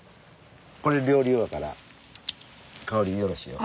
これ料理用やから香りよろしいよ。